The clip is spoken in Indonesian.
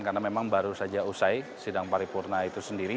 karena memang baru saja usai sidang paripurna itu sendiri